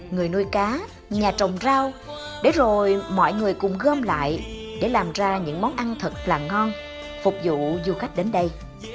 người nuôi cá nhà trồng rau để rồi mọi người cùng gơm lại để làm ra những món ăn thật là ngon phục vụ du khách đến đây